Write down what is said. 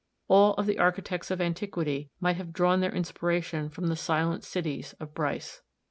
All of the architects of antiquity might have drawn their inspiration from the silent cities of Bryce.